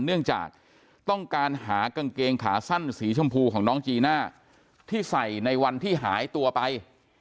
เนื่องจากต้องการหากางเกงขาสั้นสีชมพูของน้องจีน่าที่ใส่ในวันที่หายตัวไป